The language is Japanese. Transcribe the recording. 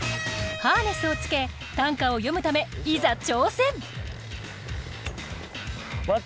ハーネスを着け短歌を詠むためいざ挑戦。